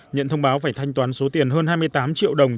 nhận thông báo phải thanh toán số tiền hơn hai mươi tám triệu đồng